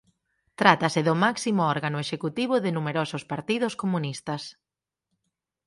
Trátase do máximo órgano executivo de numerosos partidos comunistas.